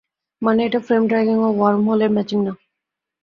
মানে, এটা frame dragging বা ওয়ার্মহোল ম্যাচিং না।